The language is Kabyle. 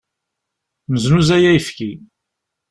Neznuzay ayefki.